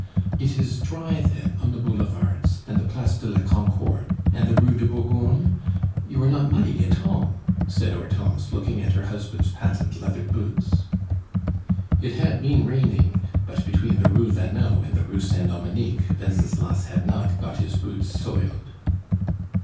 "It is dry then on the boulevards and the Place de la Concorde and the Rue de Bourgogne? You are not muddy at all!" said Hortense, looking at her husband's patent leather boots. It had been raining, but between the Rue Vanneau and the Rue Saint Dominique Wenceslas had not got his boots soiled.